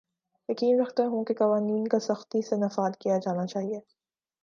یقین رکھتا ہوں کہ قوانین کا سختی سے نفاذ کیا جانا چاھیے